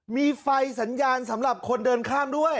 มีไฟสัญญาณสำหรับคนเดินข้ามด้วย